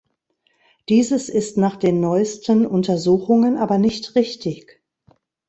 Dieses ist nach den neuesten Untersuchungen aber nicht richtig.